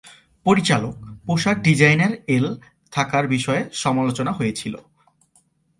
পরিচালক, পোশাক ডিজাইনার এল থাকার বিষয়ে সমালোচনা হয়েছিল।